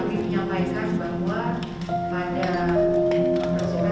selamat siang teman teman